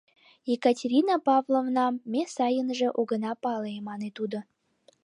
— Екатерина Павловнам ме сайынже огына пале, — мане тудо.